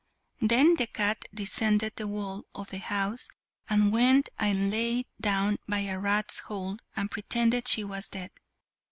Then the cat descended the wall of the house, and went and laid down by a rat's hole and pretended she was dead.